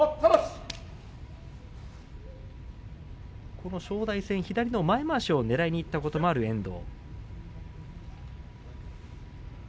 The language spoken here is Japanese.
この正代戦、左の前まわしをねらいにいったこともある遠藤。